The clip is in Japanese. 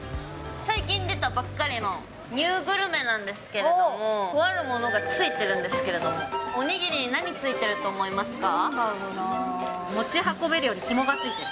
最近出来たばっかりのニューグルメなんですけれども、とあるものがついてるんですけれども、おにぎりに何ついていると思いますか？